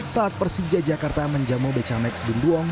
saat persija jakarta menjamu becanex benduong